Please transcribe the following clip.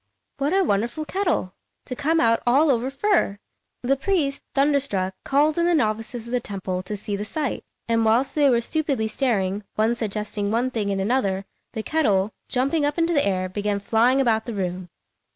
What a wonderful kettle, to come out all over fur! The priest, thunderstruck, called in the novices of the temple to see the sight; and whilst they were stupidly staring, one suggesting one thing and another, the kettle, jumping up into the air, began flying about the room.